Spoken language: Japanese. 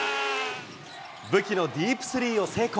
武器のディープスリーを成功。